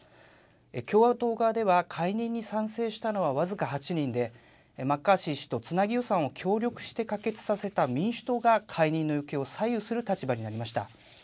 共和党側では、解任に賛成したのは僅か８人で、マッカーシー氏とつなぎ予算を協力して可決させた民主党が解任の行方を左右する立場になりました。